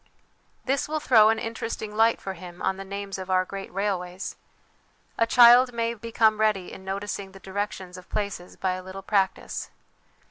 This will throw an interesting light for him on the names of our great railways. A child may become ready in noticing the directions of places by a little practice.